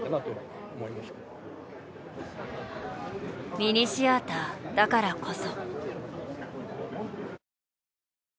ミニシアターだからこそ。